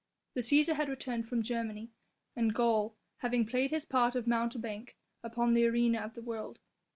The Cæsar had returned from Germany and Gaul having played his part of mountebank upon the arena of the world.